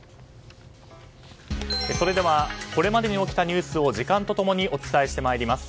それではこれまでに起きたニュースを時間と共にお伝えしてまいります。